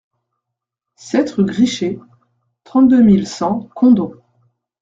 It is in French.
sept rue Grichet, trente-deux mille cent Condom